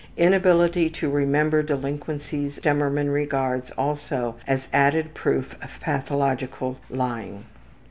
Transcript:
Inability to remember delinquencies Stemmermann regards also as added proof of pathological lying.